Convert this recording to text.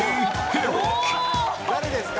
誰ですか？